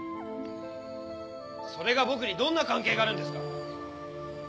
それが僕にどんな関係があるんですか！